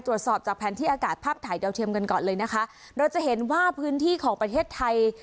ตรวจสอบจากแผนที่อากาศภาพถ่ายดาวเทียมกันก่อนเลยนะคะเราจะเห็นว่าพื้นที่ของประเทศไทย